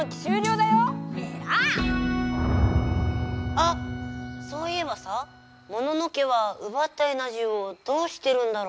あっそういえばさモノノ家はうばったエナジーをどうしてるんだろう？